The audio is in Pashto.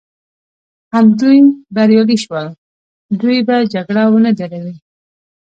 همدوی بریالي شول، دوی به جګړه ونه دروي.